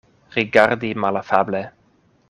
Rigardi malafable.